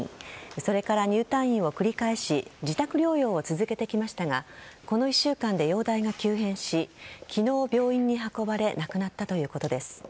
それから入退院を繰り返し自宅療養を続けてきましたがこの１週間で容体が急変し昨日、病院に運ばれ亡くなったということです。